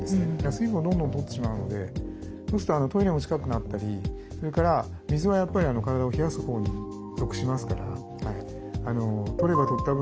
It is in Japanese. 水分をどんどんとってしまうのでそうするとトイレも近くなったりそれから水はやっぱり体を冷やすほうに属しますから。